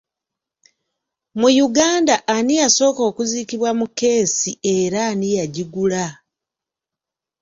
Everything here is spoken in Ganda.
Mu Uganda ani yasooka okuziikibwa mu kkeesi era ani yagigula?